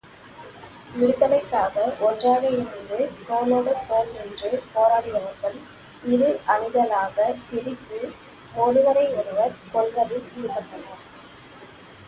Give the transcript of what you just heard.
விடுதலைக்காக ஒன்றாக இணைந்து தோளோடுதோள் நின்று போராடியவர்கள் இரு அணிகளாகப் பிரித்து ஒருவரை ஒருவர் கொல்வதில் ஈடுபட்டனர்.